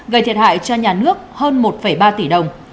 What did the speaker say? gây thiệt hại cho nhà nước hơn một ba tỷ đồng